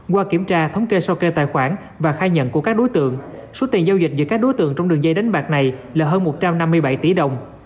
qua kiểm tra thống kê sau kê tài khoản và khai nhận của các đối tượng số tiền giao dịch giữa các đối tượng trong đường dây đánh bạc này là hơn một trăm năm mươi bảy tỷ đồng